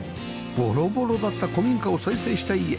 ボロボロだった古民家を再生した家